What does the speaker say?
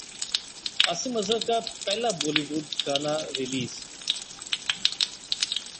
عاصم اظہر کا پہلا بولی وڈ گانا ریلیز